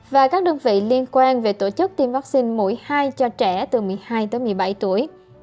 và các đơn vị liên quan về tổ chức tiêm vaccine mũi hai cho trẻ từ một mươi hai tới một mươi bảy tuổi